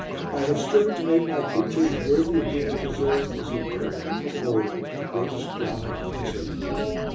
I have striven to make my pictures worthy of being preserved as a permanent memorial of the greatest Drama in history.